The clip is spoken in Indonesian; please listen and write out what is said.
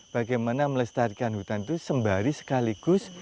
bagaimana melestarikan hutan itu sembari sekaligus